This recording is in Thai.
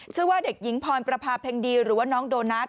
ชื่อว่าเด็กหญิงพรประพาเพ็งดีหรือว่าน้องโดนัท